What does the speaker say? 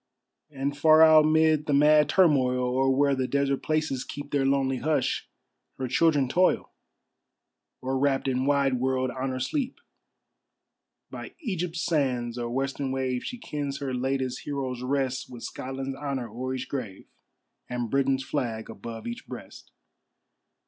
And far out mid the mad turmoil, Or where the desert places keep Their lonely hush, her children toil, Or wrapt in wide world honor sleep. By Egypt's sands or western wave, She kens her latest heroes rest, With Scotland's honor o'er each grave, And Britain's flag above each breast.